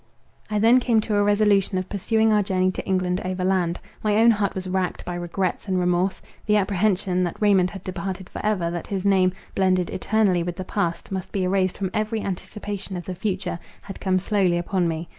I then came to a resolution of pursuing our journey to England overland. My own heart was racked by regrets and remorse. The apprehension, that Raymond had departed for ever, that his name, blended eternally with the past, must be erased from every anticipation of the future, had come slowly upon me.